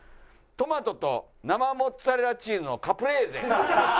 トマトと生モッツァレラチーズのカプレーゼ。